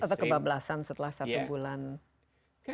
atau kebablasan setelah satu bulan